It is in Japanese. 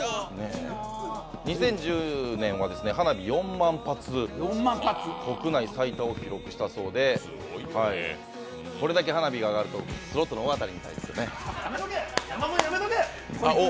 ２０１０年は花火４万発、国内最多を記録したそうで、これだけ花火が上がると、スロットの大当たりみたいですね。